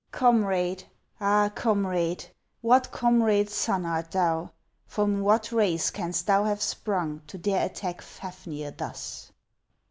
Comrade, all ! comrade, what comrade's son art thou ? From what race canst thou have sprung to dare attack Fafnir thus